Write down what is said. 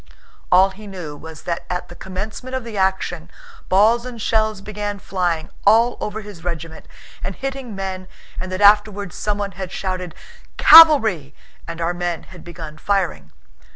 All he knew was that at the commencement of the action balls and shells began flying all over his regiment and hitting men and that afterwards someone had shouted "Cavalry!" and our men had begun firing.